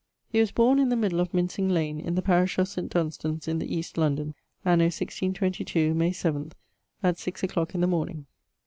He was borne in the middle of Mincing Lane, in the parish of Saint Dunstan's in the East, London, anno 1622, May 7th, at six a clock in the morning.